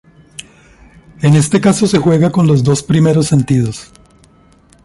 En este caso se juega con los dos primeros sentidos.